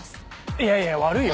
いやいや悪いよ。